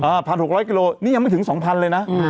พันหกร้อยกิโลนี่ยังไม่ถึงสองพันเลยนะอืม